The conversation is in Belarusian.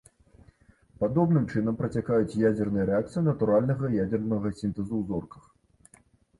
Падобным чынам працякаюць ядзерныя рэакцыі натуральнага ядзернага сінтэзу ў зорках.